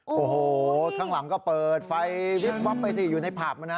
โอ้โหข้างหลังก็เปิดไฟวิบวับไปสิอยู่ในผับนะ